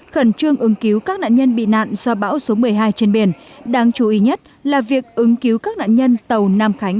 khẩn trương ứng cứu các nạn nhân bị nạn do bão số một mươi hai trên biển đáng chú ý nhất là việc ứng cứu các nạn nhân tàu nam khánh